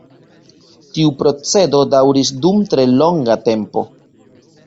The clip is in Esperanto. Tiu procedo daŭris dum tre longa tempo.